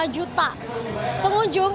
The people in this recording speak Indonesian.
lima lima juta pengunjung